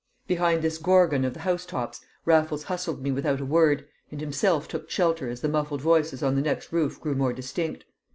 Behind this Gorgon of the house tops Raffles hustled me without a word, and himself took shelter as the muffled voices on the next roof grew more distinct.